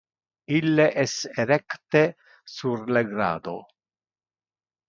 Ille es erecte sur le grado.